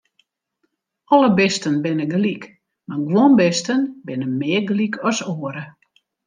Alle bisten binne gelyk, mar guon bisten binne mear gelyk as oare.